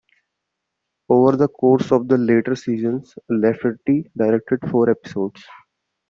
Over the course of the later seasons, Lafferty directed four episodes.